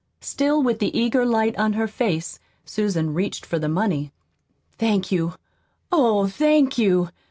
Still with the eager light on her face, Susan reached for the money. "Thank you, oh, thank you!